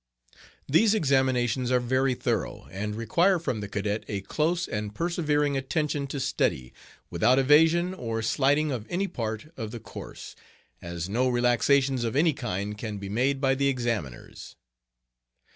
These examinations are very thorough, and require from the cadet a close and persevering attention to study, without evasion or slighting of any part of the course, as no relaxations of any kind can be made by the examiners.